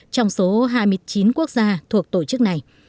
trong số hai mươi chín quốc gia thuộc tổ chức này